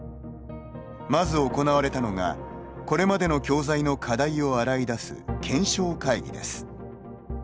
まず行われたのがこれまでの教材の課題を洗い出す検証会議です。